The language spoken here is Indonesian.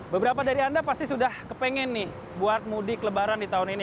beberapa dari anda pasti sudah kepengen nih buat mudik lebaran di tahun ini